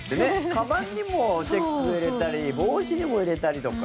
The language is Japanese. かばんにもチェック入れたり帽子にも入れたりとか。